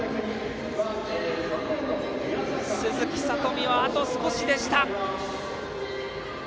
鈴木聡美は、あと少しでした。